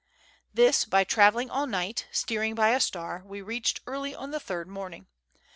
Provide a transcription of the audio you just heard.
This, by travelling all night steering by a star we reached early on the third morning.